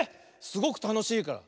すごくたのしいから。